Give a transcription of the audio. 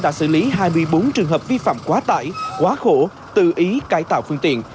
đã xử lý hai mươi bốn trường hợp vi phạm quá tải quá khổ tự ý cải tạo phương tiện